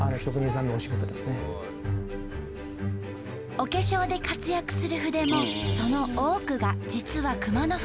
お化粧で活躍する筆もその多くが実は熊野筆。